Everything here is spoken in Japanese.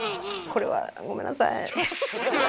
これはごめんなさい。